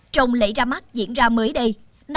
trong lễ ra mắt diễn ra mới đây